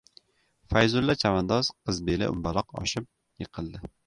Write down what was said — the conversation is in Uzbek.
Fayzulla chavandoz Qizbeli umbaloq oshib yiqildi.